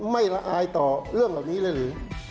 ไม่ละอายต่อเรื่องเหล่านี้เลยหรือ